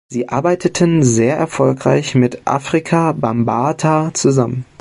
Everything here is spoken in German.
Sie arbeiteten sehr erfolgreich mit Afrika Bambaataa zusammen.